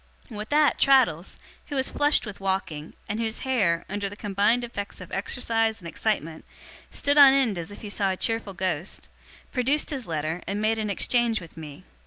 With that, Traddles, who was flushed with walking, and whose hair, under the combined effects of exercise and excitement, stood on end as if he saw a cheerful ghost, produced his letter and made an exchange with me.